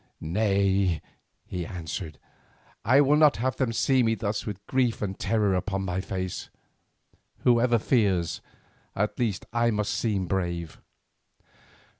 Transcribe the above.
"Nay," he answered, "I will not have them see me thus with grief and terror upon my face. Whoever fears, at least I must seem brave.